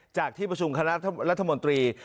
ที่ประชุมคณะรัฐมนตรี